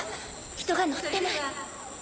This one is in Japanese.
人が乗ってない。